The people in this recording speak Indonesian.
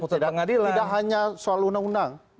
tidak hanya soal undang undang